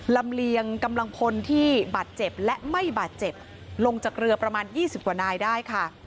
เลียงกำลังพลที่บาดเจ็บและไม่บาดเจ็บลงจากเรือประมาณ๒๐กว่านายได้ค่ะ